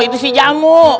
itu si jamu